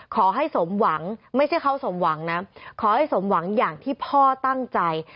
ขอให้สมหวังไม่ใช่เขาสมหวังนะขอให้สมหวังอย่างที่พ่อตั้งใจ